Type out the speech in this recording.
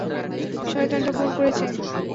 শয়তানটা ফোন করেছে।